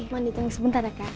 mau ditunggu sebentar ya kak